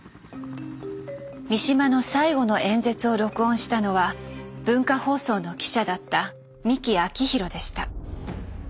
三島の最後の演説を録音したのは文化放送の記者だった三木明博でした。